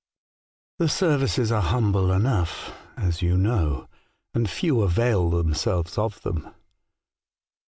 The services are humble enough, as you know, and few avail themselves of them.